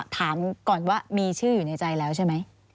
ถามก่อนว่ามีชื่ออยู่ในใจแล้วใช่ไหม